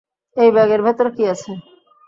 এই ব্যাগের ভেতরে কী আছে?